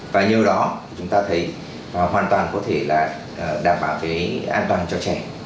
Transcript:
và nhờ đó chúng ta thấy hoàn toàn có thể là đảm bảo cái an toàn cho trẻ